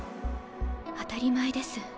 当たり前です。